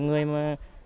cùng chương trình